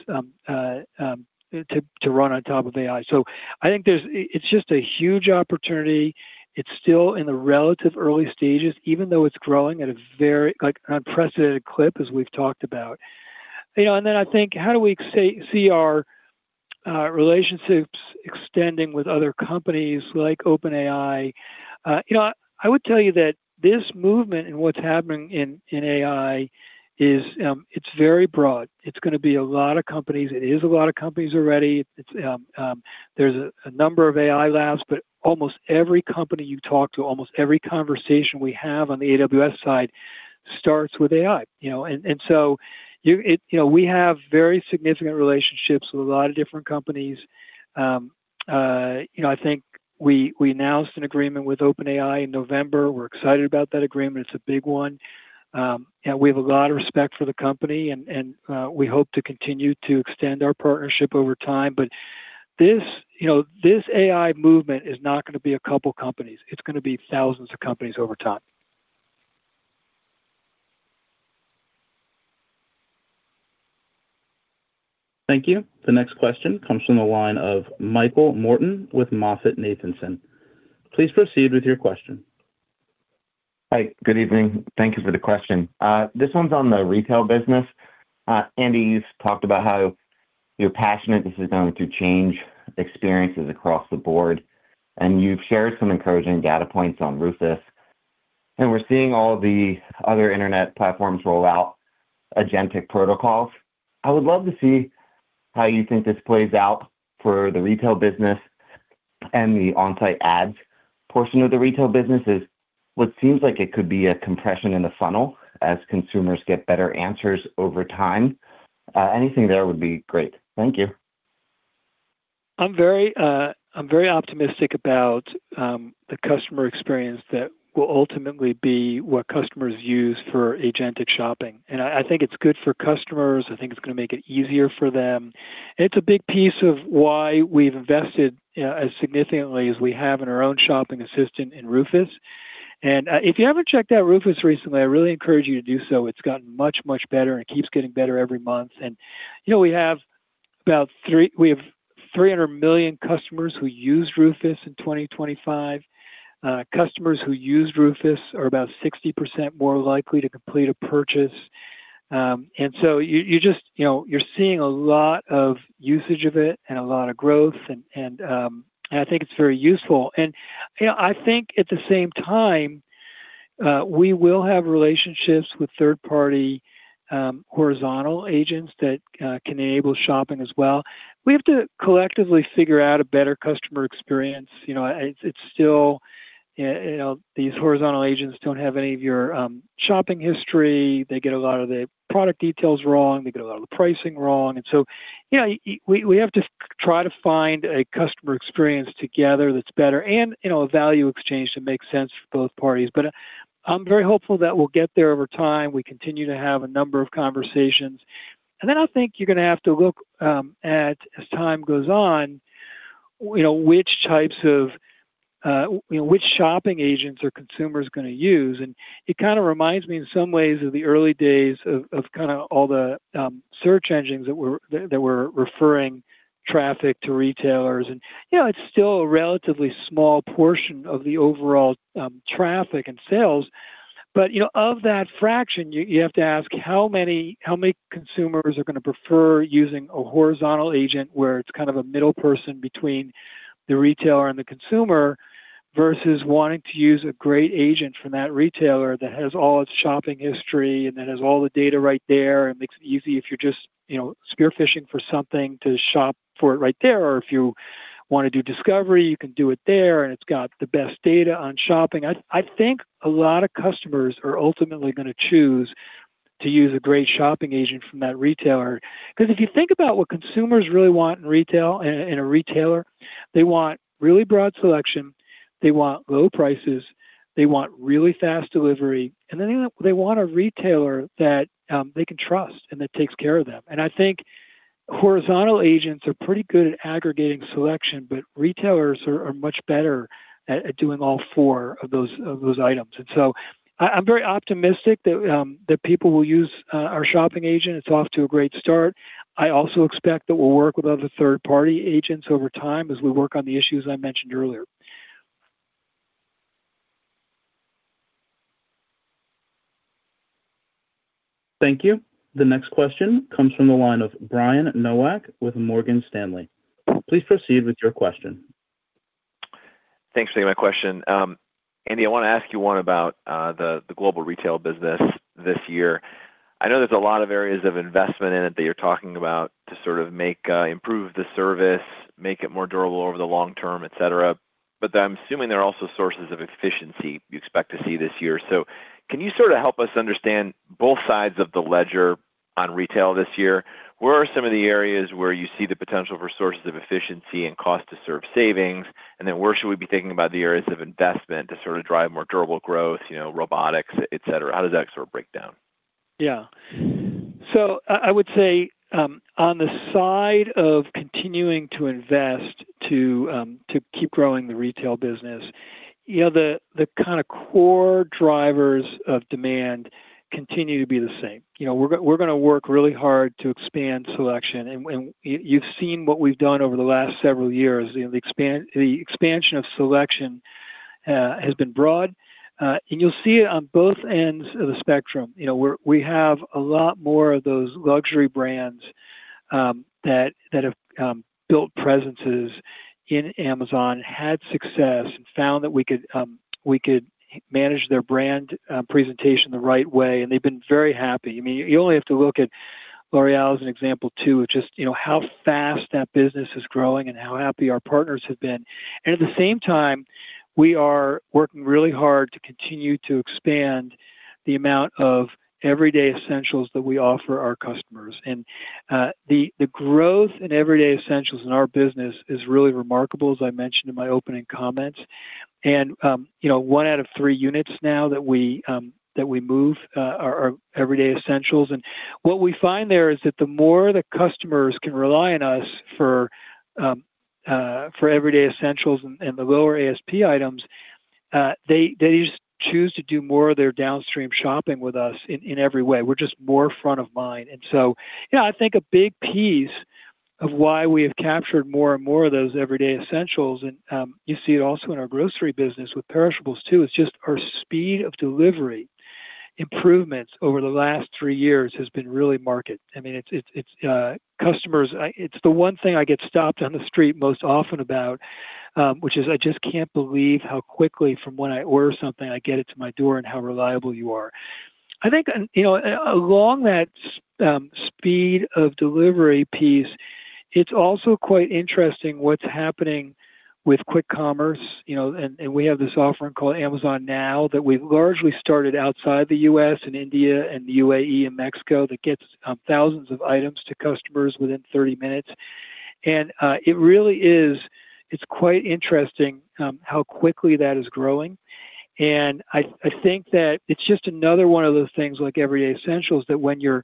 Speaker 3: to run on top of AI. So I think there's it, it's just a huge opportunity. It's still in the relatively early stages, even though it's growing at a very, like, unprecedented clip, as we've talked about. You know, and then I think, how do we see our relationships extending with other companies like OpenAI? You know, I would tell you that this movement and what's happening in AI is, it's very broad. It's gonna be a lot of companies. It is a lot of companies already. It's, there's a number of AI labs, but almost every company you talk to, almost every conversation we have on the AWS side starts with AI, you know? And so you, it-- You know, we have very significant relationships with a lot of different companies. You know, I think we announced an agreement with OpenAI in November. We're excited about that agreement. It's a big one. And we have a lot of respect for the company, and we hope to continue to extend our partnership over time. But this, you know, this AI movement is not gonna be a couple companies. It's gonna be thousands of companies over time.
Speaker 1: Thank you. The next question comes from the line of Michael Morton with MoffettNathanson. Please proceed with your question.
Speaker 8: Hi, good evening. Thank you for the question. This one's on the retail business. Andy, you've talked about how you're passionate, this is going to change experiences across the board, and you've shared some encouraging data points on Rufus, and we're seeing all the other internet platforms roll out agentic protocols. I would love to see how you think this plays out for the retail business and the on-site ads portion of the retail businesses. What seems like it could be a compression in the funnel as consumers get better answers over time? Anything there would be great. Thank you.
Speaker 3: I'm very optimistic about the customer experience that will ultimately be what customers use for agentic shopping. I think it's good for customers. I think it's gonna make it easier for them. It's a big piece of why we've invested as significantly as we have in our own shopping assistant in Rufus. And if you haven't checked out Rufus recently, I really encourage you to do so. It's gotten much, much better, and it keeps getting better every month. You know, we have 300 million customers who used Rufus in 2025. Customers who used Rufus are about 60% more likely to complete a purchase. And so you just, you know, you're seeing a lot of usage of it and a lot of growth, and I think it's very useful. And, you know, I think at the same time, we will have relationships with third-party horizontal agents that can enable shopping as well. We have to collectively figure out a better customer experience. You know, it's still, you know, these horizontal agents don't have any of your shopping history. They get a lot of the product details wrong. They get a lot of the pricing wrong. And so, you know, we have to try to find a customer experience together that's better and, you know, a value exchange that makes sense for both parties. But, I'm very hopeful that we'll get there over time. We continue to have a number of conversations. And then I think you're gonna have to look at, as time goes on, you know, which types of, you know, which shopping agents are consumers gonna use. And it kind of reminds me in some ways of the early days of kind of all the search engines that were referring traffic to retailers. You know, it's still a relatively small portion of the overall traffic and sales, but you know, of that fraction, you have to ask how many consumers are gonna prefer using a horizontal agent, where it's kind of a middle person between the retailer and the consumer, versus wanting to use a great agent from that retailer that has all its shopping history and then has all the data right there, and makes it easy if you're just, you know, spearfishing for something to shop for it right there. Or if you wanna do discovery, you can do it there, and it's got the best data on shopping. I think a lot of customers are ultimately gonna choose to use a great shopping agent from that retailer. 'Cause if you think about what consumers really want in retail, in a retailer, they want really broad selection, they want low prices, they want really fast delivery, and then they want a retailer that they can trust and that takes care of them. And I think horizontal agents are pretty good at aggregating selection, but retailers are much better at doing all four of those items. And so I'm very optimistic that people will use our shopping agent. It's off to a great start. I also expect that we'll work with other third-party agents over time as we work on the issues I mentioned earlier.
Speaker 1: Thank you. The next question comes from the line of Brian Nowak with Morgan Stanley. Please proceed with your question.
Speaker 9: Thanks for taking my question. Andy, I wanna ask you one about the global retail business this year. I know there's a lot of areas of investment in it that you're talking about to sort of make, improve the service, make it more durable over the long term, et cetera. But I'm assuming there are also sources of efficiency you expect to see this year. So can you sort of help us understand both sides of the ledger on retail this year? Where are some of the areas where you see the potential for sources of efficiency and cost to serve savings? And then where should we be thinking about the areas of investment to sort of drive more durable growth, you know, robotics, et cetera? How does that sort of break down?
Speaker 3: Yeah. So I would say, on the side of continuing to invest to keep growing the retail business, you know, the kind of core drivers of demand continue to be the same. You know, we're gonna work really hard to expand selection, and... you've seen what we've done over the last several years. You know, the expansion of selection has been broad, and you'll see it on both ends of the spectrum. You know, we have a lot more of those luxury brands that have built presences in Amazon, had success, and found that we could manage their brand presentation the right way, and they've been very happy. I mean, you only have to look at L'Oréal as an example, too, of just, you know, how fast that business is growing and how happy our partners have been. And at the same time, we are working really hard to continue to expand the amount of everyday essentials that we offer our customers. And the growth in everyday essentials in our business is really remarkable, as I mentioned in my opening comments. And you know, one out of three units now that we move are everyday essentials. And what we find there is that the more the customers can rely on us for everyday essentials and the lower ASP items, they just choose to do more of their downstream shopping with us in every way. We're just more front of mind. And so, you know, I think a big piece of why we have captured more and more of those everyday essentials, and, you see it also in our grocery business with perishables, too, is just our speed of delivery improvements over the last three years has been really market. I mean, it's customers, it's the one thing I get stopped on the street most often about, which is: "I just can't believe how quickly from when I order something, I get it to my door, and how reliable you are." I think, you know, along that speed of delivery piece, it's also quite interesting what's happening with quick commerce, you know, and we have this offering called Amazon Now that we've largely started outside the U.S., in India and the UAE and Mexico, that gets thousands of items to customers within 30 minutes. And it really is quite interesting how quickly that is growing. I think that it's just another one of those things like everyday essentials, that when you're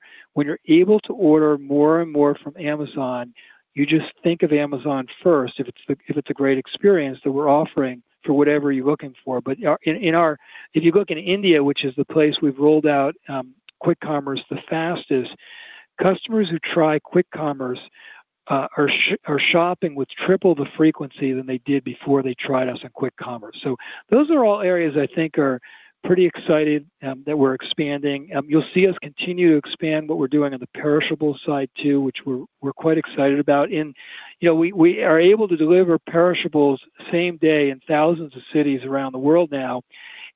Speaker 3: able to order more and more from Amazon, you just think of Amazon first, if it's a great experience that we're offering for whatever you're looking for. But yeah, if you look in India, which is the place we've rolled out quick commerce, the fastest, customers who try quick commerce are shopping with triple the frequency than they did before they tried us in quick commerce. So those are all areas I think are pretty excited that we're expanding. You'll see us continue to expand what we're doing on the perishable side too, which we're quite excited about. And you know, we are able to deliver perishables same day in thousands of cities around the world now.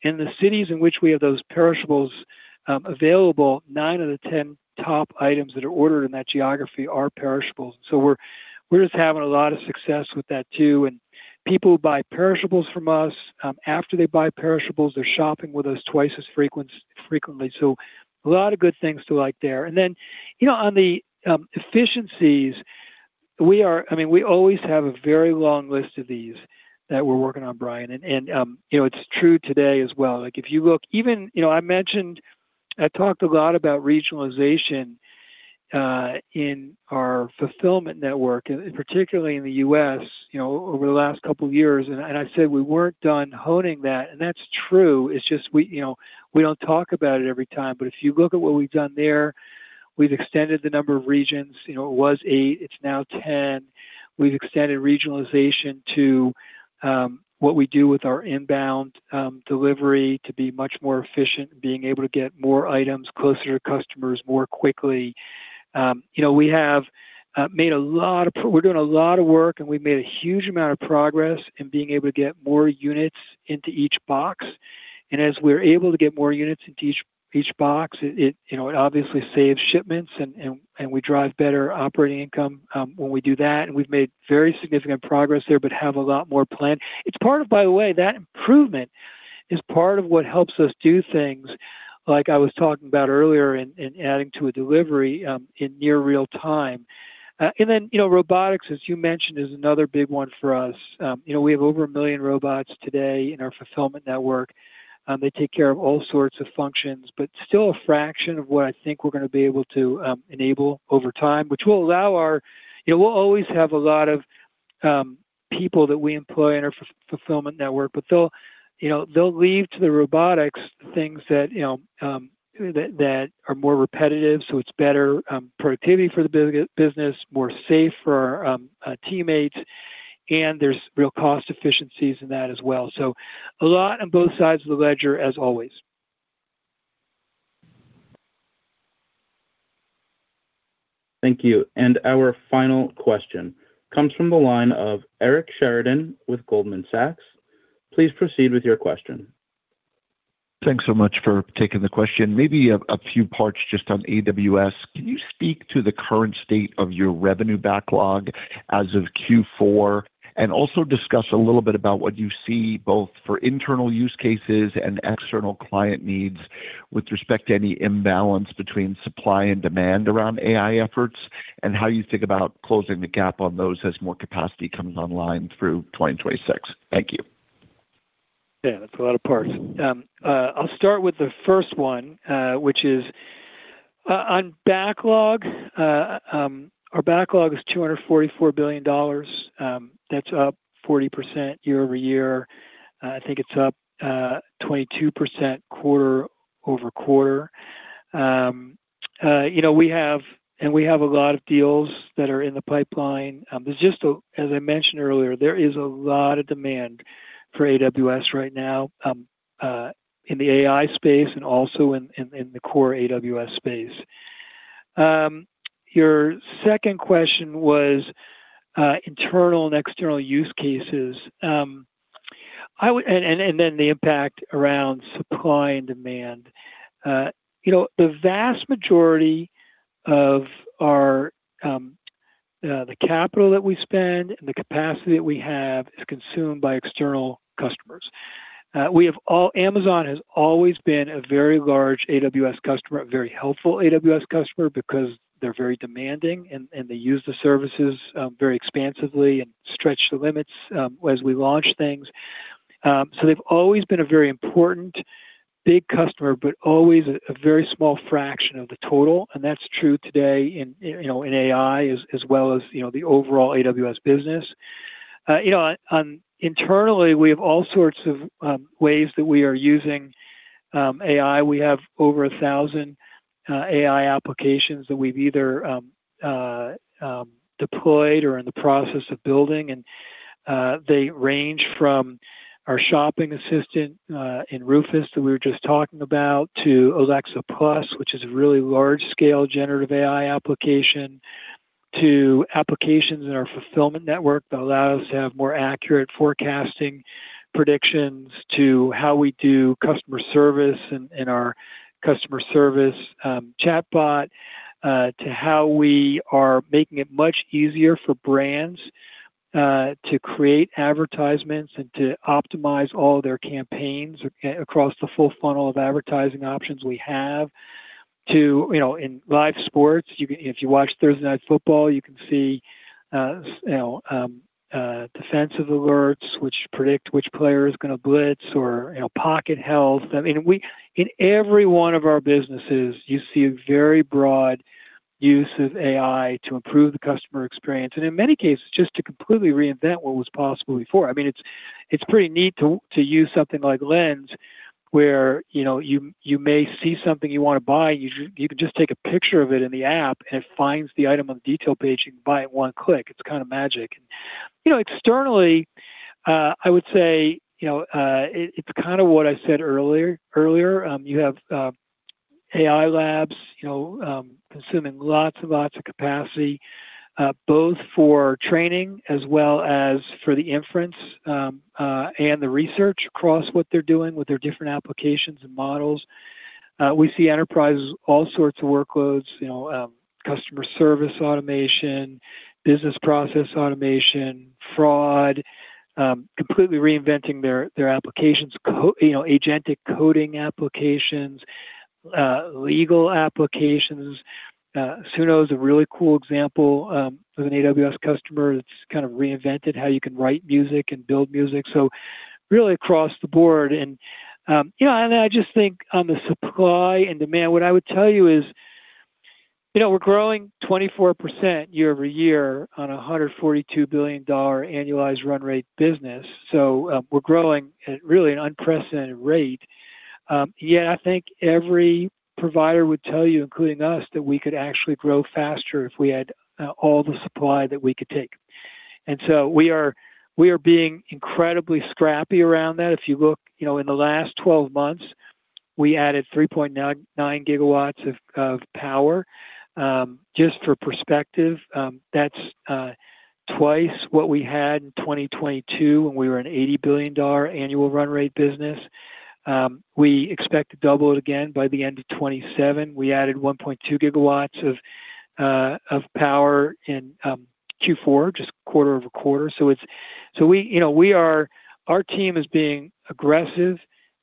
Speaker 3: The cities in which we have those perishables available, nine out of the 10 top items that are ordered in that geography are perishables. So we're just having a lot of success with that too, and people who buy perishables from us, after they buy perishables, they're shopping with us twice as frequently. So a lot of good things to like there. And then, you know, on the efficiencies, I mean, we always have a very long list of these that we're working on, Brian, and, you know, it's true today as well. Like, if you look, even, you know, I mentioned I talked a lot about regionalization in our fulfillment network, and particularly in the U.S., you know, over the last couple of years. And I said we weren't done honing that, and that's true. It's just we, you know, we don't talk about it every time, but if you look at what we've done there, we've extended the number of regions. You know, it was 8, it's now 10. We've extended regionalization to what we do with our inbound delivery to be much more efficient, being able to get more items closer to customers more quickly. You know, we're doing a lot of work, and we've made a huge amount of progress in being able to get more units into each box. And as we're able to get more units into each box, you know, it obviously saves shipments, and we drive better operating income when we do that. And we've made very significant progress there, but have a lot more planned. It's part of, by the way, that improvement is part of what helps us do things like I was talking about earlier in adding to a delivery, in near real time. And then, you know, robotics, as you mentioned, is another big one for us. You know, we have over 1 million robots today in our fulfillment network. They take care of all sorts of functions, but still a fraction of what I think we're gonna be able to enable over time, which will allow our... You know, we'll always have a lot of people that we employ in our fulfillment network, but they'll, you know, they'll leave to the robotics things that, you know, that, that are more repetitive, so it's better productivity for the business, more safe for our teammates, and there's real cost efficiencies in that as well. So a lot on both sides of the ledger, as always.
Speaker 1: Thank you. And our final question comes from the line of Eric Sheridan with Goldman Sachs. Please proceed with your question.
Speaker 10: Thanks so much for taking the question. Maybe a few parts just on AWS. Can you speak to the current state of your revenue backlog as of Q4? And also discuss a little bit about what you see, both for internal use cases and external client needs, with respect to any imbalance between supply and demand around AI efforts, and how you think about closing the gap on those as more capacity comes online through 2026. Thank you.
Speaker 3: Yeah, that's a lot of parts. I'll start with the first one, which is, on backlog, our backlog is $244 billion. That's up 40% year-over-year. I think it's up, 22% quarter-over-quarter. You know, we have a lot of deals that are in the pipeline. As I mentioned earlier, there is a lot of demand for AWS right now, in the AI space and also in the core AWS space. Your second question was, internal and external use cases. I would... And, and, and then the impact around supply and demand. You know, the vast majority of our, the capital that we spend and the capacity that we have is consumed by external customers. We have all- Amazon has always been a very large AWS customer, a very helpful AWS customer, because they're very demanding and they use the services, very expansively and stretch the limits, as we launch things. So they've always been a very important big customer, but always a, a very small fraction of the total, and that's true today in, you know, in AI as well as, you know, the overall AWS business. You know, internally, we have all sorts of, ways that we are using, AI. We have over 1,000, AI applications that we've either, deployed or in the process of building. And, they range from our shopping assistant in Rufus, that we were just talking about, to Alexa Plus, which is a really large-scale generative AI application, to applications in our fulfillment network that allow us to have more accurate forecasting predictions, to how we do customer service and our customer service chatbot, to how we are making it much easier for brands to create advertisements and to optimize all their campaigns across the full funnel of advertising options we have to, you know, in live sports, you can if you watch Thursday Night Football, you can see, you know, defensive alerts, which predict which player is gonna blitz or, you know, pocket health. I mean, we in every one of our businesses, you see a very broad use of AI to improve the customer experience, and in many cases, just to completely reinvent what was possible before. I mean, it's pretty neat to use something like Lens, where, you know, you may see something you wanna buy, you can just take a picture of it in the app, and it finds the item on the detail page. You can buy it in one click. It's kind of magic. You know, externally, I would say, you know, it's kind of what I said earlier. You have AI labs, you know, consuming lots and lots of capacity, both for training as well as for the inference, and the research across what they're doing with their different applications and models. We see enterprises, all sorts of workloads, you know, customer service automation, business process automation, fraud, completely reinventing their applications, you know, agentic coding applications, legal applications. Suno is a really cool example of an AWS customer that's kind of reinvented how you can write music and build music, so really across the board. And, you know, I just think on the supply and demand, what I would tell you is, you know, we're growing 24% year-over-year on a $142 billion annualized run rate business. So, we're growing at really an unprecedented rate. Yet I think every provider would tell you, including us, that we could actually grow faster if we had all the supply that we could take. And so we are being incredibly scrappy around that. If you look, you know, in the last 12 months, we added 3.99 GW of power. Just for perspective, that's twice what we had in 2022, when we were an $80 billion annual run rate business. We expect to double it again by the end of 2027. We added 1.2 GW of power in Q4, just quarter-over-quarter. So it's so we, you know, we are our team is being aggressive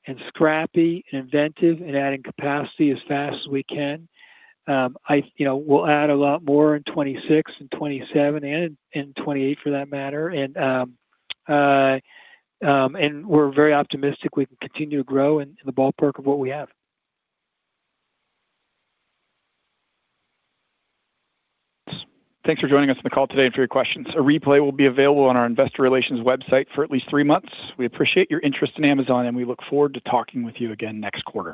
Speaker 3: and scrappy and inventive in adding capacity as fast as we can. You know, we'll add a lot more in 2026 and 2027, and in 2028, for that matter. We're very optimistic we can continue to grow in the ballpark of what we have.
Speaker 2: Thanks for joining us on the call today and for your questions. A replay will be available on our investor relations website for at least three months. We appreciate your interest in Amazon, and we look forward to talking with you again next quarter.